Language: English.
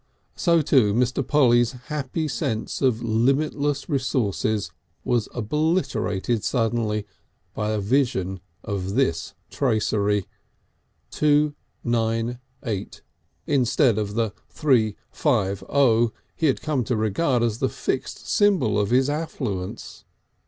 So, too, Mr. Polly's happy sense of limitless resources was obliterated suddenly by a vision of this tracery: "298" instead of the "350" he had come to regard as the fixed symbol of his affluence.